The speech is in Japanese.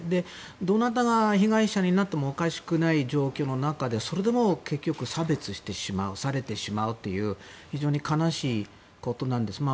どなたが被害者になってもおかしくない状況の中でそれでも結局、差別してしまうされてしまうという非常に悲しいことなんですが。